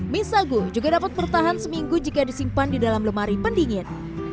mie sagu juga dapat bertahan seminggu jika disimpan di dalam lemari pendingin